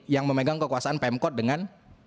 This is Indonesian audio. yang memegang kekuasaan pemkot dengan